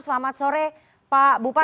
selamat sore pak bupati